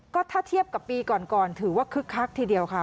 ก็ถ้าเทียบกับปีก่อนถือว่าคึกคักทีเดียวค่ะ